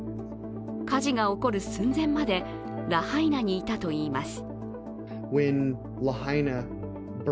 火事が起こる寸前までラハイナにいたといいます。